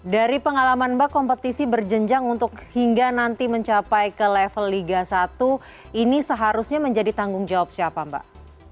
dari pengalaman mbak kompetisi berjenjang untuk hingga nanti mencapai ke level liga satu ini seharusnya menjadi tanggung jawab siapa mbak